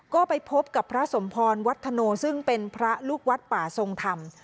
ก็ไปพบกับพระสมพรวัฒโนซึ่งเป็นพระลูกวัดป่าทรงธรรม